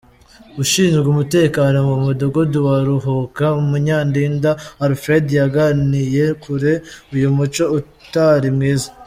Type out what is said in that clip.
Ushinzwe umutekano mu mudugudu wa Ruhuka, Munyandinda Alfred, yamaganiye kure uyu muco utari mwiza.